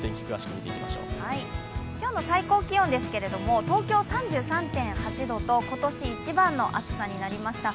今日の最高気温ですけども、東京は３３．８度と今年一番の暑さになりました。